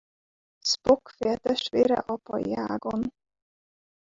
Spock féltestvére apai ágon.